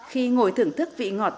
khi ngồi thưởng thức vị ngọt ngọt